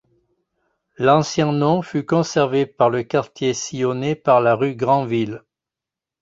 L'ancien nom fut conservé par le quartier sillonné par la rue Granville.